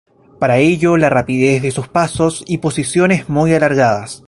Por ello la rapidez de sus pasos, y posiciones muy alargadas.